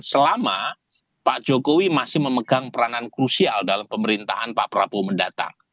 selama pak jokowi masih memegang peranan krusial dalam pemerintahan pak prabowo mendatang